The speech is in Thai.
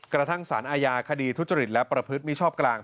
กระทั่งสารอาญาคดีทุจริตและประพฤติมิชอบกลาง